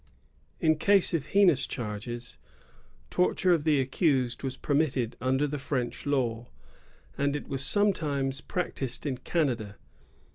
In case of heinous charges, torture of the accused was permitted under the French law; and it was sometimes practised in Canada.